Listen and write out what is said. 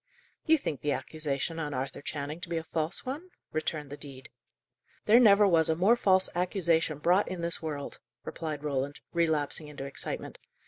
"You think the accusation on Arthur Channing to be a false one?" returned the dean. "There never was a more false accusation brought in this world," replied Roland, relapsing into excitement.